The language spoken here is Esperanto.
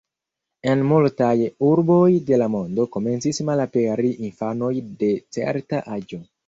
En multaj urboj de la mondo komencis malaperi infanoj de certa aĝo.